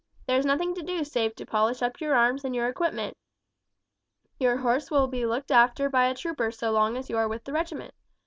There is nothing to do save to polish up your arms and your equipment. Your horse will be looked after by a trooper so long as you are with the regiment.